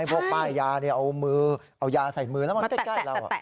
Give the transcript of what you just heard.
พวกป้ายยาเอายาใส่มือแล้วมันเก็บแล้ว